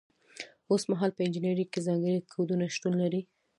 اوس مهال په انجنیری کې ځانګړي کوډونه شتون لري.